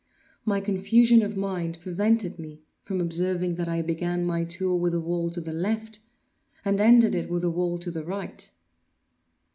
My confusion of mind prevented me from observing that I began my tour with the wall to the left, and ended it with the wall to the right.